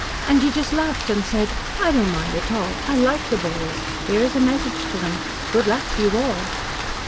And she just laughed and said: 'I don't mind at all. I like "the boys." Here is a message to them. "Good luck to you all."'"